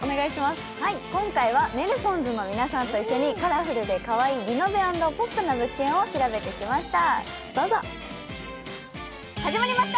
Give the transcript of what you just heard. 今回はネルソンズの皆さんと一緒にカラフルでかわいいリノベ＆ポップな物件を調べてきました。